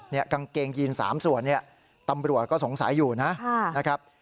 เนี่ยกางเกงยีนสามส่วนเนี่ยตำรวจก็สงสัยอยู่นะค่ะนะครับ